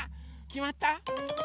きまった？